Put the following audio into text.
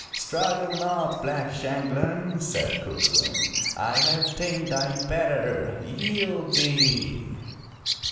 "Struggle not. Black Shanghlan,*' said Cuchulain. "I have tamed thy better ! Yield thee